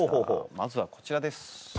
まずはこちらです。